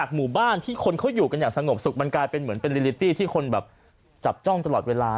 หมู่บ้านที่คนเขาอยู่กันอย่างสงบสุขมันกลายเป็นเหมือนเป็นลิลิตี้ที่คนแบบจับจ้องตลอดเวลา